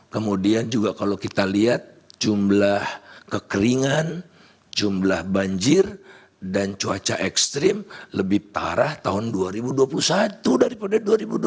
kemudian juga kalau kita lihat jumlah kekeringan jumlah banjir dan cuaca ekstrim lebih parah tahun dua ribu dua puluh satu daripada dua ribu dua puluh